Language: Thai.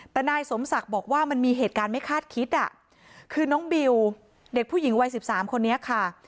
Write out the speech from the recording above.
แต่นายสมศักดิ์บอกว่ามันมีเหตุการณ์ไม่คาดคิดอ่ะคือน้องบิวเด็กผู้หญิงวัย๑๓คนนี้ค่ะ